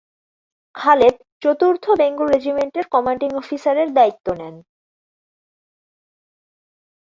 খালেদ চতুর্থ বেঙ্গল রেজিমেন্টের কমান্ডিং অফিসারের দ্বায়িত্ব নেন।